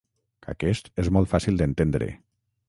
Aquest és molt fàcil d’entendre.